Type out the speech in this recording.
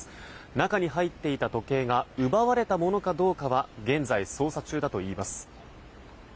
中に入っていた時計が奪われたものかどうかは現在、捜査中だといいます。